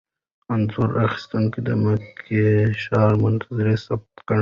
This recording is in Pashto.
انځور اخیستونکي د مکې ښاري منظرې ثبت کړي.